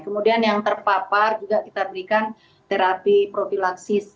kemudian yang terpapar juga kita berikan terapi profilaksis